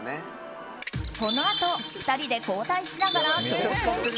このあと２人で交代しながら挑戦し。